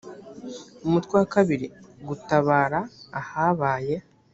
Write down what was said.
umutwe wa kabiri gutabara ahabaye